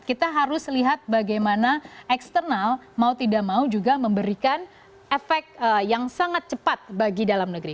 kita harus lihat bagaimana eksternal mau tidak mau juga memberikan efek yang sangat cepat bagi dalam negeri